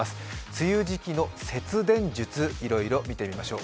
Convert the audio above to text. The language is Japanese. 梅雨時期の節電術、いろいろ見てみましょう。